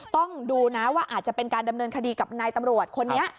ต้องดูนะว่าอาจจะเป็นการดำเนินคดีกับนายตำรวจคนนี้